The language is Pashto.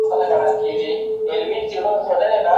څوک له پړانګه څخه تښتي څوک له پاڼ څخه ویریږي